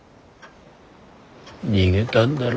逃げだんだろ。